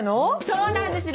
そうなんです。